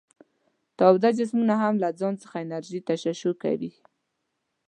تاوده جسمونه هم له ځانه څخه انرژي تشعشع کوي.